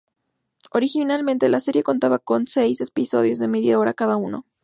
Originalmente, la serie contaba con seis episodios de media hora cada uno.